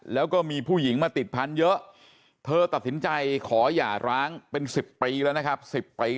แล้วก็มีผู้หญิงมาติดพันธุ์เยอะเธอตัดสินใจขอหย่าร้างเป็น๑๐ปีแล้วนะครับ๑๐ปี